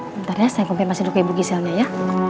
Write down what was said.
bentarnya saya kumpir masin duk ibu giselnya ya